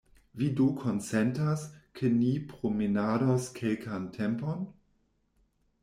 Vi do konsentas, ke ni promenados kelkan tempon?